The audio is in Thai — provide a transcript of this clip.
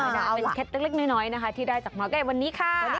ได้เป็นเคล็ดเล็กน้อยนะคะที่ได้จากหมอไก่วันนี้ค่ะ